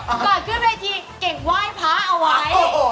ก่อนขึ้นไปที่เก่งไหว้พระเอาไว้